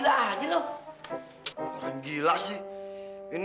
lenteng lenteng telipek begitu